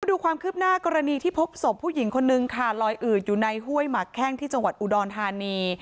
ดูความคืบหน้ากรณีที่พบศพผู้หญิงคนนึงค่ะลอยอืดอยู่ในห้วยหมักแข้งที่จังหวัดอุดรธานี